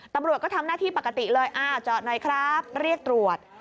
ตำรวจก็ทำหน้าที่ปกติเลยอ้าวเจาะหน่อยครับเรียกตรวจ